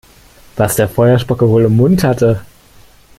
Was der Feuerspucker wohl im Mund hatte?